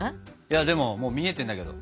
でももう見えてんだけど。